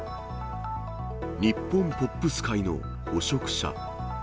日本ポップス界の捕食者。